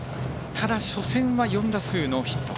ただ、初戦は４打数ノーヒット。